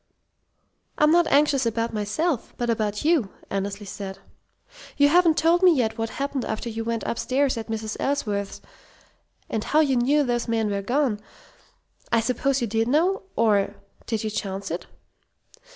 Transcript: "I'm not anxious about myself, but about you," Annesley said. "You haven't told me yet what happened after you went upstairs at Mrs. Ellsworth's, and how you knew those men were gone. I suppose you did know? Or did you chance it?"